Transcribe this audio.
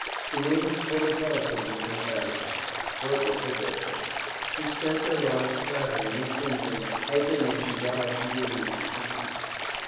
The room was full of relatives of Miss Havisham (for it was her birthday), who spent their lives flattering and cringing, hoping when she died she would leave them some money.